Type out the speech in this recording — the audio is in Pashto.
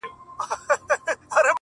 لاس يې د ټولو کايناتو آزاد، مړ دي سم~